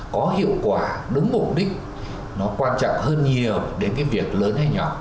có hiệu quả đúng mục đích nó quan trọng hơn nhiều đến cái việc lớn hay nhỏ